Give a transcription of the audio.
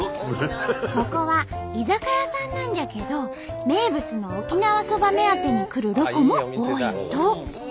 ここは居酒屋さんなんじゃけど名物の沖縄そば目当てに来るロコも多いんと！